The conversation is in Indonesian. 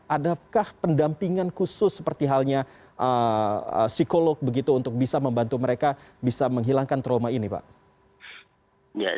adakah pendampingan khusus seperti halnya psikolog begitu untuk bisa membantu mereka bisa menghilangkan trauma ini pak